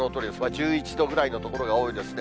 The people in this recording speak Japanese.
１１度ぐらいの所が多いですね。